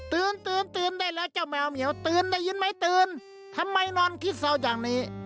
ตื่นตื่นตื่นได้แล้วเจ้าแมวเหมียวตื่นได้ยินไหมตื่นทำไมนอนคิดเศร้าอย่างนี้